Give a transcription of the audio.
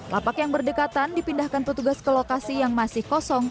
lapak yang berdekatan dipindahkan petugas ke lokasi yang masih kosong